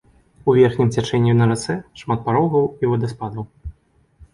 У верхнім цячэнні на рацэ шмат парогаў і вадаспадаў.